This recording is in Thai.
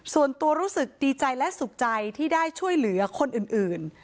ส่วนตัวรู้สึกดีใจและสุขใจที่ได้ช่วยเหลือคนอื่น